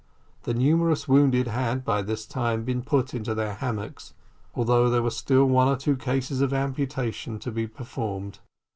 The numerous wounded had, by this time, been put into their hammocks, although there were still one or two cases of amputation to be performed.